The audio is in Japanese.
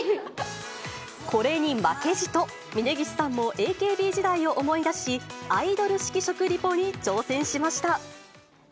これに負けじと、峯岸さんもＡＫＢ時代を思い出し、アイドル式食リポに挑戦しました。